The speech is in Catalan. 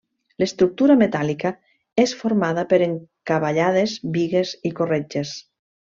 L'estructura metàl·lica és formada per encavallades, bigues i corretges.